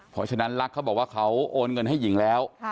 เพราะฉะนั้นลักษณ์เขาบอกว่าเขาโอนเงินให้หญิงแล้ว